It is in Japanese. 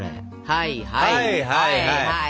はいはいはいはい。